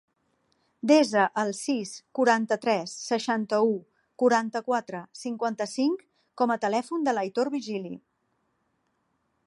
Desa el sis, quaranta-tres, seixanta-u, quaranta-quatre, cinquanta-cinc com a telèfon de l'Aitor Virgili.